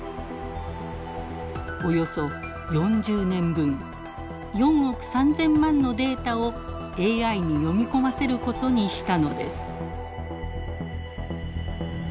およそ４０年分４億３，０００万のデータをＡＩに読み込ませることにしたのです。